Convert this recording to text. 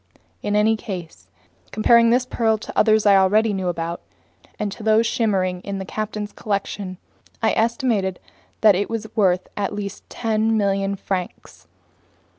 In any case, comparing this pearl to others I already knew about, and to those shimmering in the captain's collection, I estimated that it was worth at least 10,000,000 francs.